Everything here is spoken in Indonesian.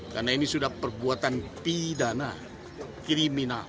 karena ini sudah perbuatan pidana kriminal